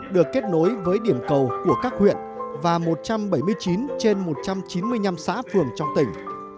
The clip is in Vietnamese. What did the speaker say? được kết nối với điểm cầu của các huyện và một trăm bảy mươi chín trên một trăm chín mươi năm xã phường trong tỉnh